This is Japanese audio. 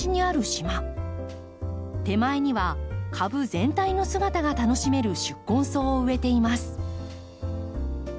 手前には株全体の姿が楽しめる宿根草を植えています。